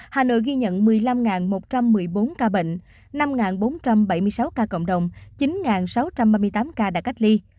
hà nội ghi nhận một mươi năm một trăm một mươi bốn ca bệnh năm bốn trăm bảy mươi sáu ca cộng đồng chín sáu trăm ba mươi tám ca đã cách ly